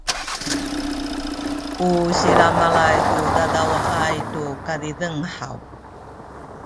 u silamalay ku dadawaay tu kazizeng haw?